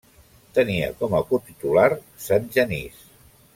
Tenia com a cotitular Sant Genís.